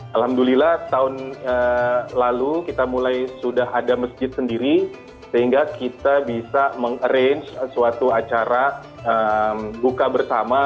alhamdulillah tahun lalu kita mulai sudah ada masjid sendiri sehingga kita bisa meng arrange suatu acara buka bersama